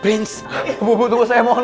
ibu tunggu saya mohon